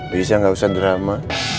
bisa gak usah drama